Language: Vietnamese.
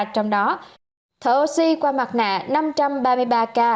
trong đó thở oxy qua mặt nạ năm trăm ba mươi ba ca